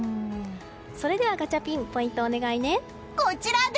それではガチャピンポイントをお願いね。